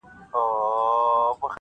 تا خو کړئ زموږ د مړو سپکاوی دی,